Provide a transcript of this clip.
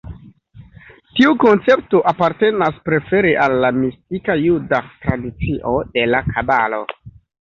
Tiu koncepto apartenas prefere al la mistika juda tradicio de la Kabalo.